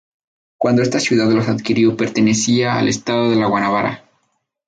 Cuando esta ciudad los adquirió pertenecía al Estado de la Guanabara.